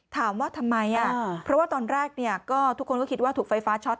ถามว่าทำไมเพราะว่าตอนแรกทุกคนก็คิดว่าถูกไฟฟ้าช็อต